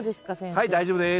はい大丈夫です。